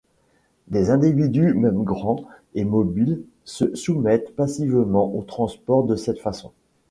Des individus même grands et mobiles se soumettent passivement au transport de cette façon.